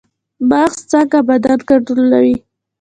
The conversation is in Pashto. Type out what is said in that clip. مغز څنګه بدن کنټرولوي؟